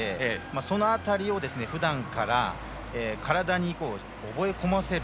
その辺りをふだんから体に覚え込ませる。